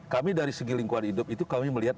kami dari segi lingkungan hidup itu kami melihat